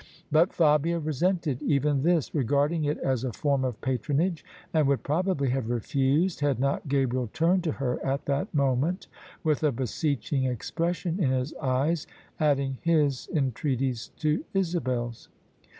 But Fabia resented even this, regarding it as a form of patronage, and would probably have refused, had not Ga briel turned to her at that moment, with a beseeching expression in his eyes, adding his entreaties to Isabel's.